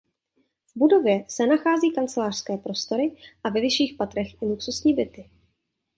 V budově se nachází kancelářské prostory a ve vyšších patrech i luxusní byty.